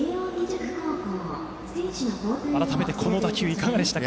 改めて、この打球いかがでしたか。